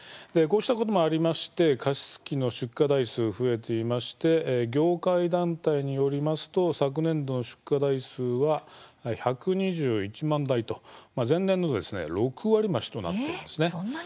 こうしたこともありまして加湿器の出荷台数が増えていまして業界団体によりますと昨年度の出荷台数は１２１万台と前年の６割増しとなっています。